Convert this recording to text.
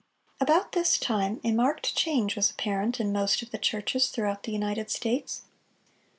About this time a marked change was apparent in most of the churches throughout the United States.